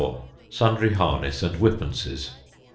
Sundry harness and whippances.